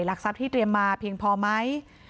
หลักทรัพย์ที่เตรียมมาเพียงพอไหม